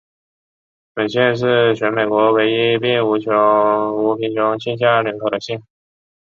本县是全美国唯一并无贫穷线下人口的县。